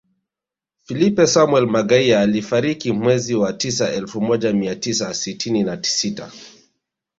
Filipe Samuel Magaia alifariki mwezi wa tisa elfu moja mia tisa sitini na sita